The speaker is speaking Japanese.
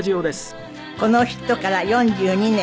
このヒットから４２年。